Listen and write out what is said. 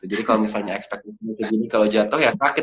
jadi kalau misalnya ekspektasi segini kalau jatuh ya sakit